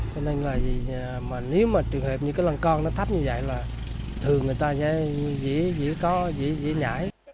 cho nên là nếu mà trường hợp như cái lan can nó thấp như vậy là thường người ta dễ có dễ nhảy